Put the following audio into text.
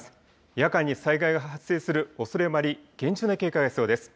夜間に災害が発生するおそれもあり厳重な警戒が必要です。